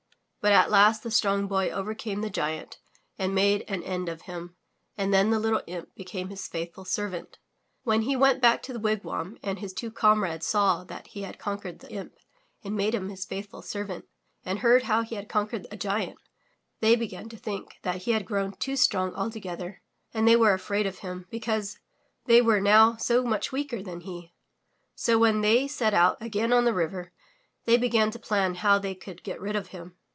But at last the Strong Boy overcame the giant and made an end of him and then the little imp became his faithful servant. When he went back to the wigwam and his two comrades saw that he had conquered the imp and made him his faithful servant, and heard how he had conquered a giant, they began to think that he had grown too strong altogether, and they were afraid of him because they were now so much weaker than he. So when they set out again on the river they began to plan how they could get rid of him.